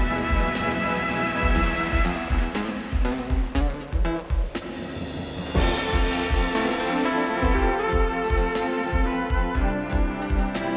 ทุกคนพร้อมแล้วขอเสียงปลุ่มมือต้อนรับ๑๒สาวงามในชุดราตรีได้เลยค่ะ